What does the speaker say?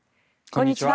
こんにちは。